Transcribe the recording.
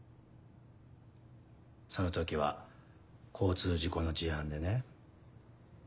その時は交通事故の事案でね